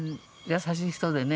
優しい人でね。